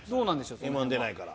Ｍ−１出ないから。